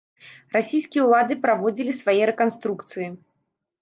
Расійскія ўлады праводзілі свае рэканструкцыі.